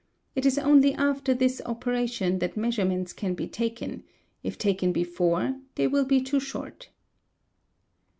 It is only after this | operation that measurements can be taken; if taken before they will | be too short.